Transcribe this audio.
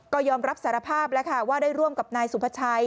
ก็ยอมรับสารภาพแล้วค่ะว่าได้ร่วมกับนายสุภาชัย